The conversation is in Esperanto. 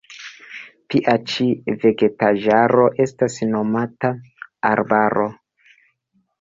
Tia ĉi vegetaĵaro estas nomata arbaro.